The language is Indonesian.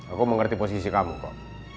aku mengerti posisi kamu kok